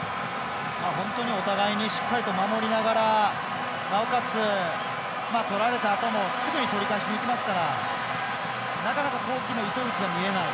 本当にお互いにしっかりと守りながら、なおかつとられたあともすぐにとり返しにいってますからなかなか、攻撃の糸口が見えない。